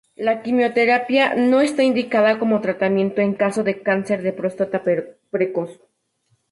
La quimioterapia no está indicada como tratamiento en caso de cáncer de próstata precoz.